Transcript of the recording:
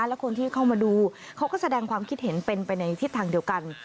และคนที่เข้ามาดูเขาก็แสดงความคิดเห็นเป็นไปในทิศทางเดียวกัน